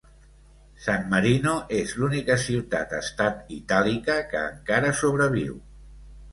San Marino és l'única ciutat-estat itàlica que encara sobreviu.